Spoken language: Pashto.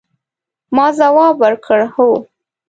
ما ځواب ورکړ، هو.